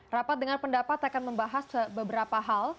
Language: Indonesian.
rapat dengan pendapat akan membahas beberapa hal